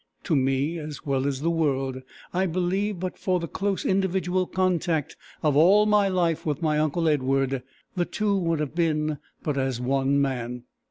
To me as well as the world, I believe, but for the close individual contact of all my life with my uncle Edward, the two would have been but as one man.